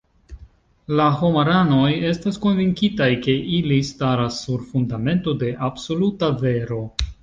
La homaranoj estas konvinkitaj, ke ili staras sur fundamento de absoluta vero.